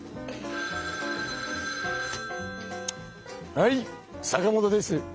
☎はい坂本です。